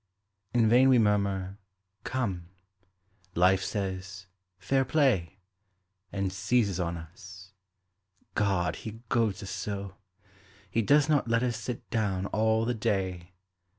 In vain we murmur; "Come," Life says, "Fair play!" And seizes on us. God! he goads us so! He does not let us sit down all the day.